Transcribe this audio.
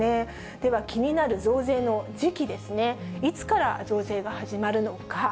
では、気になる増税の時期ですね、いつから増税が始まるのか。